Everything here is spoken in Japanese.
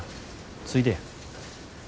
ついでや。